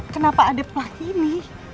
kenapa ada pelah ini